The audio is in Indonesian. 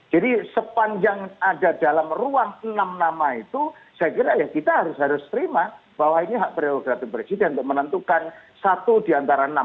jadi sepanjang ada dalam ruang enam nama itu saya kira ya kita harus harus terima bahwa ini hak prioritatif presiden untuk menentukan satu diantara enam